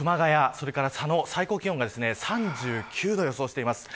それから佐野最高気温が３９度を予想しています。